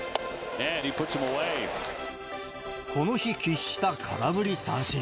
この日、喫した空振り三振。